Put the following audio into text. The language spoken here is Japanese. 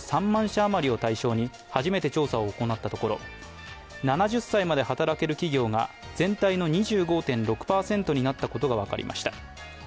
社余りを対象に初めて調査を行ったところ、７０歳まで働ける企業が全体の２５．６％になったことが分かりました。